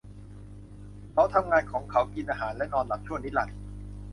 เขาทำงานของเขากินอาหารและนอนหลับชั่วนิรันดร์ !